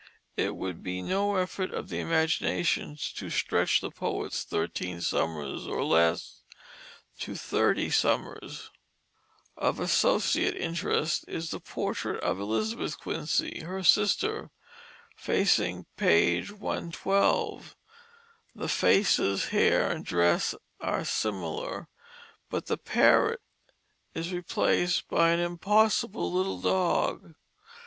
It would be no effort of the imagination to stretch the poet's "thirteen summers or less" to thirty summers. [Illustration: "Dorothy Q." "Thirteen Summers," 1720 circa] Of associate interest is the portrait of Elizabeth Quincy, her sister, facing page 112. The faces, hair, and dress are similar, but the parrot is replaced by an impossible little dog.